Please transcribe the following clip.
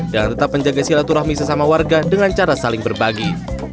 dan tetap menjaga silaturahmi sesama warga dengan cara saling berbagi